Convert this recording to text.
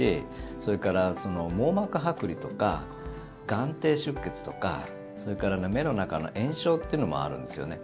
それから網膜はく離とか眼底出血とかそれから目の中の炎症っていうのもあるんですよね。